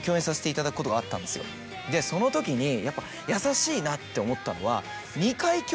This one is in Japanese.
そのときにやっぱ優しいなって思ったのは。